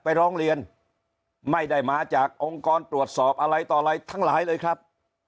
ร้องเรียนไม่ได้มาจากองค์กรตรวจสอบอะไรต่ออะไรทั้งหลายเลยครับ